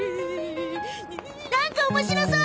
なんか面白そう。